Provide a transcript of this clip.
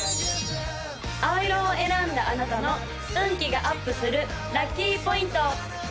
青色を選んだあなたの運気がアップするラッキーポイント！